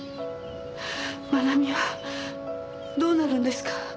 愛美はどうなるんですか？